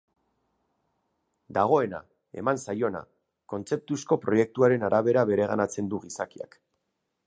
Dagoena, eman zaiona, kontzeptuzko proiektuaren arabera bereganatzen du gizakiak.